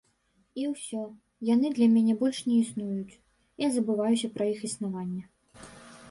І ўсё, яны для мяне больш не існуюць, я забываюся пра іх існаванне.